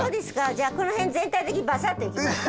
じゃあこの辺全体的にバサッといきましょう。